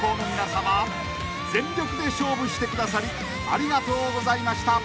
全力で勝負してくださりありがとうございました］